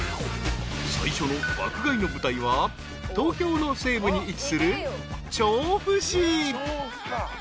［最初の爆買いの舞台は東京の西部に位置する調布市］